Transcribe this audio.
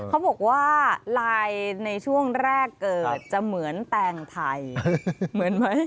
เขาบอกว่าลายในช่วงแรกเกิดจะเหมือนแตงไทยเหมือนไหม